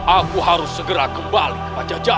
aku harus segera kembali ke pajak